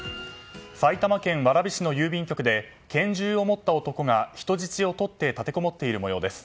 埼玉県蕨市の郵便局で拳銃を持った男が人質をとって立てこもっている模様です。